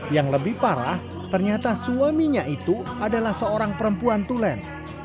yang lebih parah ternyata suaminya itu adalah seorang perempuan tulen